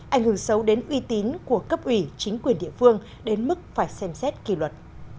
ảnh hưởng xấu đến uy tín của cấp ủy chính quyền địa phương đến mức phải xem xét kỳ luật